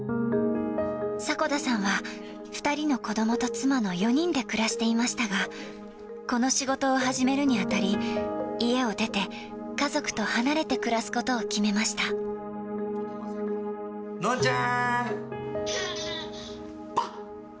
迫田さんは２人の子どもと妻の４人で暮らしていましたが、この仕事を始めるにあたり、家を出て、家族と離れて暮らすこ穏ちゃん。